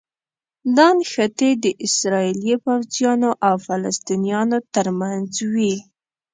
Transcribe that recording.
دا نښتې د اسراییلي پوځیانو او فلسطینیانو ترمنځ وي.